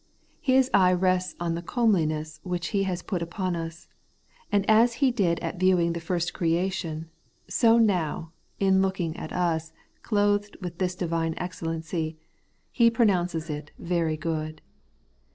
His eye rests on the comeliness which He has put upon us; and as He did at viewing the first creation, so now, in looking at us as clothed with this divine excellency, He pronounces it 'very good.